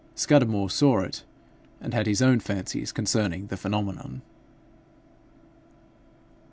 Scudamore saw it, and had his own fancies concerning the phenomenon.